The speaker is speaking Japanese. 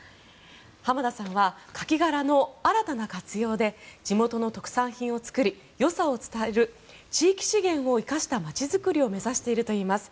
濱田さんはカキ殻の新たな活用で地元の特産品を作りよさを伝える地域資源を使った町づくりを目指しているといいます。